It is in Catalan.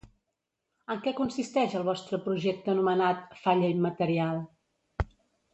En què consisteix el vostre projecte anomenat «Falla Immaterial»?